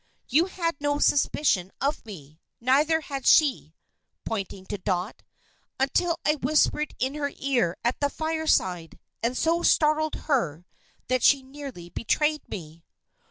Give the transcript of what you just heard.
You had no suspicion of me; neither had she," pointing to Dot, "until I whispered in her ear at the fireside, and so startled her that she nearly betrayed me."